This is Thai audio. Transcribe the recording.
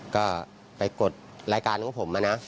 ก็ไปกดรายการของผมนะ